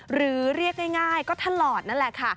หรือเรียกง่ายก็ถลอดนั่นแหละค่ะ